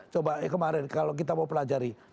coba kemarin kalau kita mau pelajari